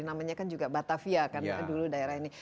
namanya kan juga batavia kan dulu daerah ini